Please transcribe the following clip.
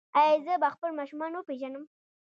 ایا زه به خپل ماشومان وپیژنم؟